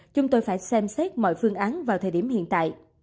chúng tôi phải xem xét mọi phương án vào thời điểm hiện tại